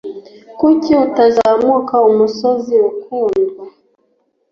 Kuki utazamuka Umusozi Ukundwa